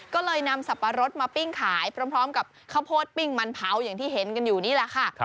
ก็เลยนำสับปะรดมาปิ้งขายพร้อมกับข้าวโพดปิ้งมันเผาอย่างที่เห็นกันอยู่นี่แหละค่ะ